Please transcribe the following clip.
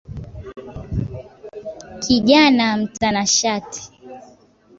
Kijana mtanashati.